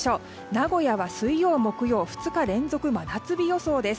名古屋は、水曜、木曜２日連続真夏日予想です。